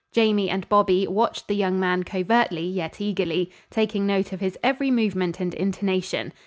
Jamie and Bobby watched the young man covertly yet eagerly, taking note of his every movement and intonation.